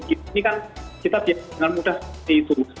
ini kan kita biar dengan mudah seperti itu